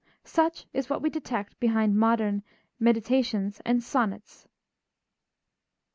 Such is what we detect behind modern meditations and sonnets.